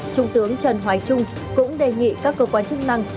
trung tướng trần hoài trung cũng đề nghị các cơ quan chức năng